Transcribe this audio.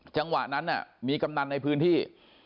จังหวะนั้นมีกำนันในพื้นที่